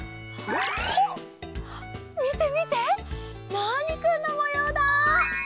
みてみてナーニくんのもようだ！